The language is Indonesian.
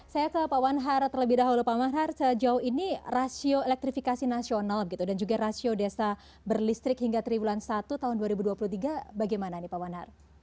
saya ke pak wanhar terlebih dahulu pak wanhar sejauh ini rasio elektrifikasi nasional dan juga rasio desa berlistrik hingga tribulan satu tahun dua ribu dua puluh tiga bagaimana nih pak wanhar